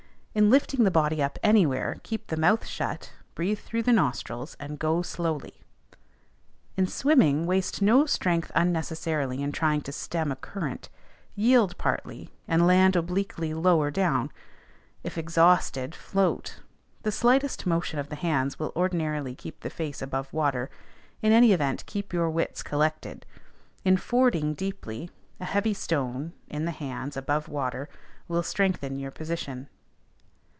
In lifting the body up anywhere, keep the mouth shut, breathe through the nostrils, and go slowly. In swimming waste no strength unnecessarily in trying to stem a current; yield partly, and land obliquely lower down; if exhausted, float: the slightest motion of the hands will ordinarily keep the face above water; in any event keep your wits collected. In fording deeply, a heavy stone [in the hands, above water] will strengthen your position.